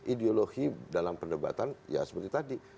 ideologi dalam perdebatan ya seperti tadi